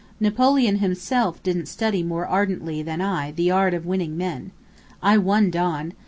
Napoleon himself didn't study more ardently than I the art of winning men. I won Don.